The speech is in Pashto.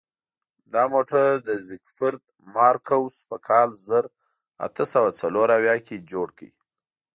دا موټر زیکفرد مارکوس په کال زر اته سوه څلور اویا کې جوړ کړ.